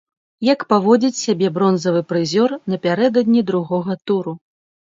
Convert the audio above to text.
Як паводзіць сябе бронзавы прызёр напярэдадні другога туру?